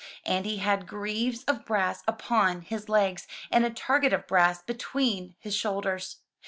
And he had greaves of brass upon his legs, and a target of brass between his shoulders.